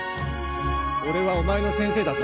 俺はお前の先生だぞ。